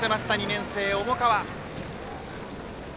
２年生、重川。